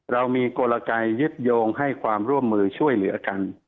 เรามีกลไกยึดโยงให้ความร่วมมือช่วยเหลือกัน